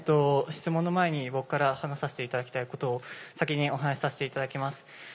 質問の前に、僕から話させていただきたいことを、先にお話させていただきます。